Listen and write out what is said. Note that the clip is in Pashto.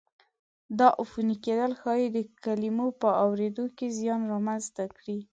دا عفوني کېدل ښایي د کلمو په اورېدو کې زیان را منځته کړي.